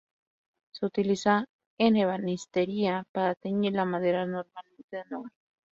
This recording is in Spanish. Se utiliza en ebanistería para teñir la madera, normalmente de nogal.